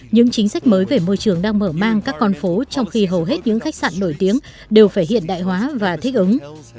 những chính sách mới về môi trường đang mở mang các con phố trong khi hầu hết những khách sạn nổi tiếng đều phải hiện đại hóa và thích ứng